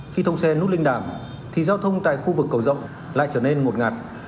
khi thông xe nút linh đàm thì giao thông tại khu vực cầu rộng lại trở nên ngột ngạt